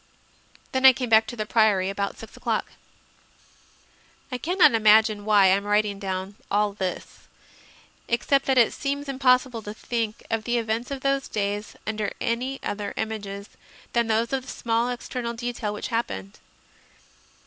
Then I came back to the Priory about six o clock. 132 CONFESSIONS OF A CONVERT I cannot imagine why I am writing down all this, except that it seems impossible to think of the events of those days under any other images than those of the small external details which happened.